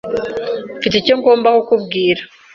Mfite icyo ngomba kukubwira.